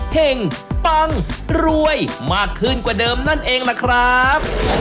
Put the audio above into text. ปังรวยมากขึ้นกว่าเดิมนั่นเองล่ะครับ